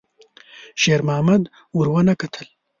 شېرمحمد ور ونه کتل.